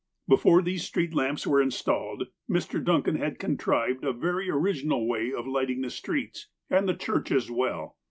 Before these street lamps were installed, Mr. Duncan had contrived a very original way of lighting the streets, and the church as well.